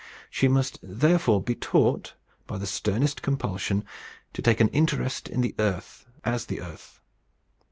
"She must therefore be taught, by the sternest compulsion, to take an interest in the earth as the earth.